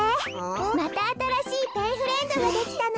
またあたらしいペンフレンドができたの。